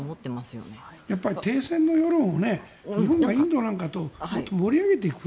たっぱり停戦の世論を日本はインドなんかともっと盛り上げていく。